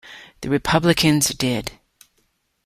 The Republicans did.